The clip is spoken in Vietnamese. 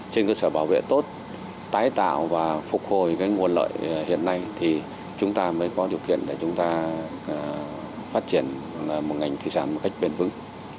trên cơ sở bảo vệ tốt tái tạo và phục hồi nguồn lợi hiện nay thì chúng ta mới có điều kiện để chúng ta phát triển một ngành thủy sản một cách bền vững